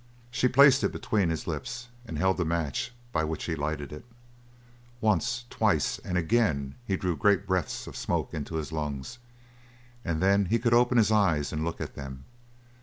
She placed it between his lips and held the match by which he lighted it. Once, twice, and again, he drew great breaths of smoke into his lungs, and then he could open his eyes and look at them.